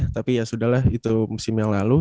tapi ya sudah lah itu musim yang lalu